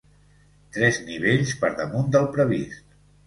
Tres nivells per damunt del previst.